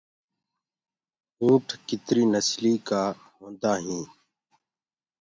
اونَٺا ڪتري نسلي ڪو هوندآ هين